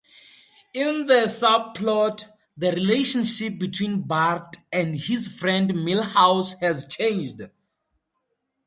In the subplot, the relationship between Bart and his friend Milhouse has changed.